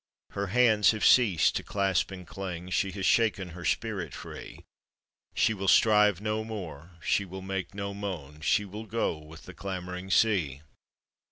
Her hands have ceased to claxp and cling, She has shaken her spirit free, She will strive no more, she will make no moan, She will go with the clamoring sea.